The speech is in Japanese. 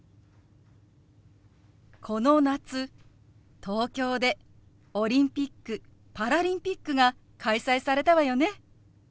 この夏東京でオリンピック・パラリンピックが開催されたわよね。